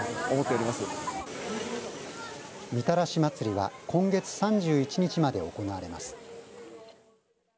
みたらし祭は今月３１日まで行われます。